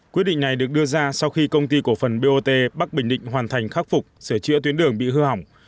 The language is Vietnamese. quyết định này được đưa ra sau khi công ty cổ phần bot bắc bình định hoàn thành khắc phục sửa chữa tuyến đường bị hư hỏng